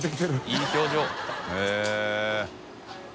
いい表情。